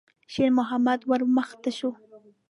شېرمحمد ور مخته شو.